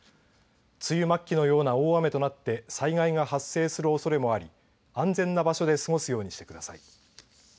梅雨末期のような大雨となって災害が発生するおそれもあり安全な場所で過ごすようにしてください。